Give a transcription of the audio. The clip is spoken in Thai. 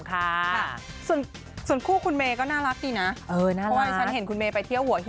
ค่ะส่วนคู่คุณเมย์ก็น่ารักดีนะไอ้ฉันเห็นคุณไปเที่ยวหัว